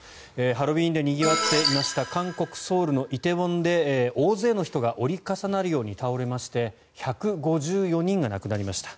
ハロウィーンでにぎわっていました韓国ソウルの梨泰院で大勢の人が折り重なるように倒れまして１５４人が亡くなりました。